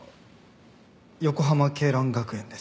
横浜恵蘭学園です。